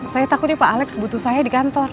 saya takutnya pak alex butuh saya di kantor